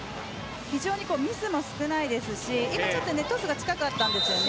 非常にミスも少ないですし今、トスが近かったんですよね。